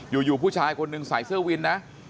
อยู่ผู้ชายคนหนึ่งใส่เสื้อวินนะ